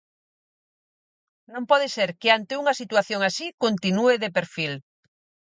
Non pode ser que ante unha situación así continúe de perfil.